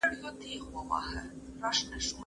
که مواصلات ښه نه وي سوداګري به وروسته پاته سي.